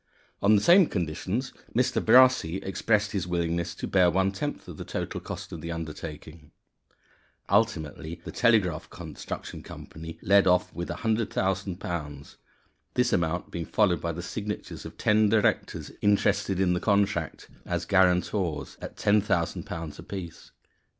On the same conditions, Mr. Brassey expressed his willingness to bear one tenth of the total cost of the undertaking. Ultimately, the Telegraph Construction Company led off with £100,000, this amount being followed by the signatures of ten directors interested in the contract (as guarantors) at £10,000 apiece.